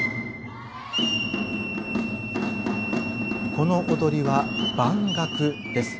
この踊りは「番楽」です。